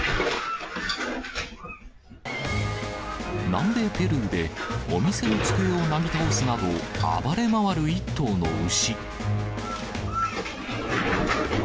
南米ペルーで、お店の机をなぎ倒すなど、暴れ回る１頭の牛。